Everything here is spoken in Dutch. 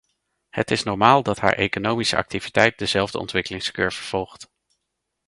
Het is normaal dat haar economische activiteit dezelfde ontwikkelingscurve volgt.